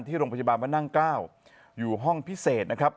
ที่โรงพยาบาลพระนั่งเกล้าอยู่ห้องพิเศษนะครับ